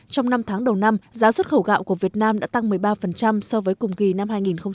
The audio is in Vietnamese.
trong năm tháng đầu năm giá xuất khẩu gạo của việt nam đã tăng một mươi ba so với cùng kỳ năm hai nghìn một mươi chín